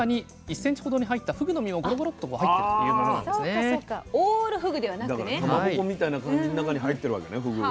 だからかまぼこみたいな感じの中に入ってるわけねふぐが。